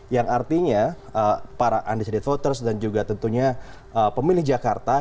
yang artinya para undecided voters dan juga tentunya pemilih jakarta